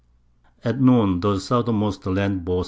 At Noon the Southermost Land bore S.